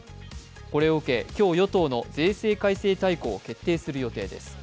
これを受け、今日、与党の税制改正大綱を決定する予定です。